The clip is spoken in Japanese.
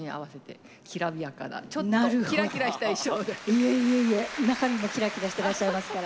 いえいえいえ中身もキラキラしてらっしゃいますから。